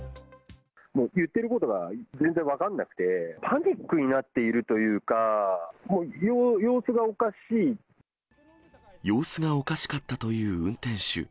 もう言ってることが全然分かんなくて、パニックになっているというか、様子がおかしかったという運転手。